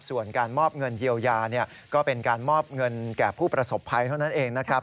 ส่วนการมอบเงินเยียวยาก็เป็นการมอบเงินแก่ผู้ประสบภัยเท่านั้นเองนะครับ